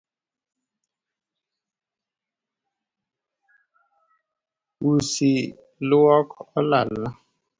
Usi luok olalna